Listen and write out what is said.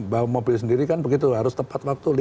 bawa mobil sendiri kan begitu harus tepat waktu